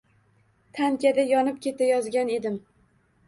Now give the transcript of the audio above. Tankada yonib ketayozgan edim?